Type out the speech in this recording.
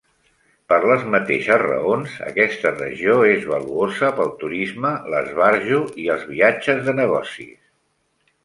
Per les mateixes raons, aquesta regió és valuosa pel turisme, l'esbarjo i els viatges de negocis.